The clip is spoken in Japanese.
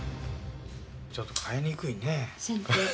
ちょっと変えにくいねえ。